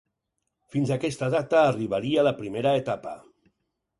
Fins a aquesta data arribaria la primera etapa.